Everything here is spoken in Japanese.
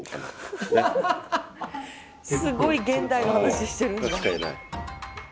すごい現代の話してるんだ。